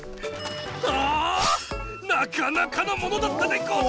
あなかなかのものだったでござる！